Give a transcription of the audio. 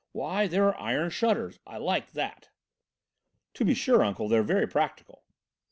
Why, there are iron shutters I like that." "To be sure, Uncle, they are very practical."